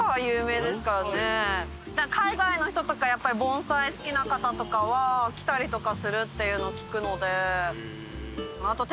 だから海外の人とかやっぱり盆栽好きな方とかは来たりとかするっていうのを聞くので。